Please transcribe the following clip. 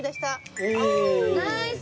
ナイス！